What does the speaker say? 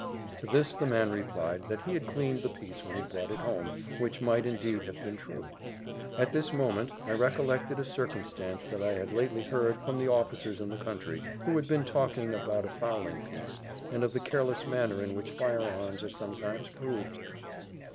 To this the man replied, that he had cleaned the piece when he brought it home, which might indeed have been true. At this moment, I recollected a circumstance that I had lately heard from the officers in the country, who had been talking about a fowling piece, and of the careless manner in which fire arms are sometimes proved [Footnote: See Manton on Gunnery.].